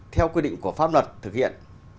theo quy định của pháp luật thực hiện